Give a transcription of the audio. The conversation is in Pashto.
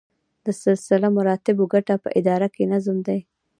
د سلسله مراتبو ګټه په اداره کې نظم دی.